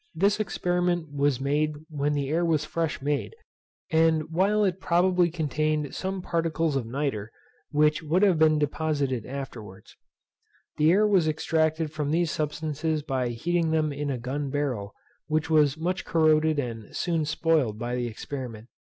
This experiment was made when the air was fresh made, and while it probably contained some particles of nitre, which would have been deposited afterwards. The air was extracted from these substances by heating them in a gun barrel, which was much corroded and soon spoiled by the experiment.